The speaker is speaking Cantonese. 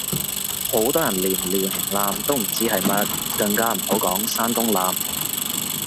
好多人連遼寧艦都唔知係乜，更加唔好講山東艦